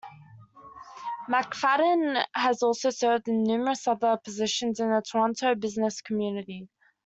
McFadden has also served in numerous other positions in the Toronto business community.